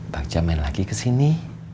bakja main lagi kesini